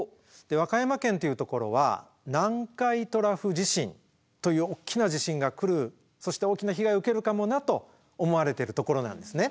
和歌山県っていうところは南海トラフ地震というおっきな地震が来るそして大きな被害を受けるかもなと思われてるところなんですね。